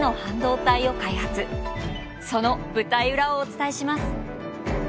その舞台裏をお伝えします！